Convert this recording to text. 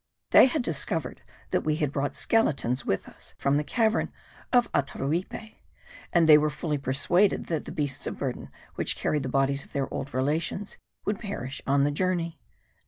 They had discovered that we had brought skeletons with us from the cavern of Ataruipe; and they were fully persuaded that the beasts of burden which carried the bodies of their old relations would perish on the journey.